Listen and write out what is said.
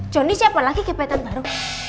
jonny siapa lagi gigi petan baru